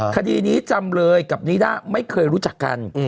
คดีนี้จำเลยกับนิด้าไม่เคยรู้จักกัน